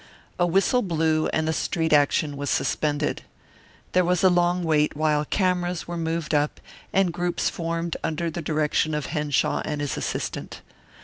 A whistle blew and the street action was suspended. There was a long wait while cameras were moved up and groups formed under the direction of Henshaw and his assistant.